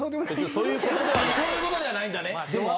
そういうことじゃないんだね。